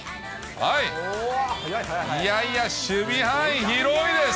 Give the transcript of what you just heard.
いやいや、守備範囲広いです。